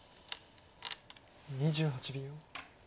２８秒。